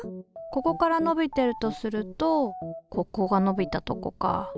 ここから伸びてるとするとここが伸びたとこか。